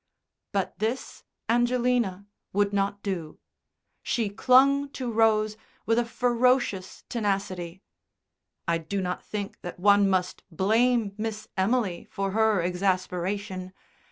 But this Angelina would not do. She clung to Rose with a ferocious tenacity. I do not think that one must blame Miss Emily for her exasperation.